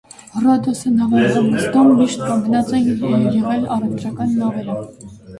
Հռոդոս նավահանգստում միշտ կանգնած են եղել առևտրական նավերը։